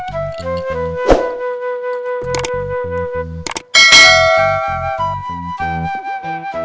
dia nggak dig latih ke pool